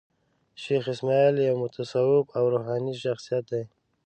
شېخ اسماعیل یو متصوف او روحاني شخصیت دﺉ.